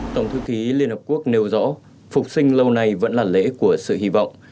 tổng thư ký liên hợp quốc nêu rõ phục sinh lâu nay vẫn là lễ của sự hy vọng